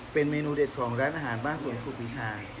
เป็นเมนูเด็ดของร้านอาหารบ้านสวนครูปีชาย